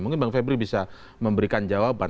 mungkin bang febri bisa memberikan jawaban